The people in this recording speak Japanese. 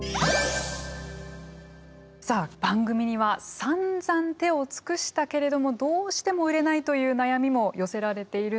さあ番組にはさんざん手を尽くしたけれどもどうしても売れないという悩みも寄せられているんです。